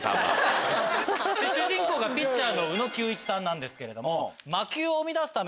主人公がピッチャーの宇野球一さんなんです。